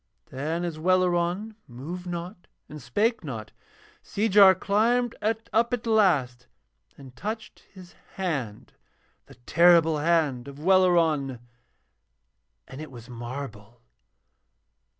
Then as Welleran moved not and spake not, Seejar climbed up at last and touched his hand, the terrible hand of Welleran, and it was marble.